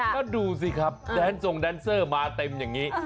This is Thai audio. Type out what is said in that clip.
แล้วดูสิครับแดนทรงแดนเซอร์มาเต็มอย่างนี้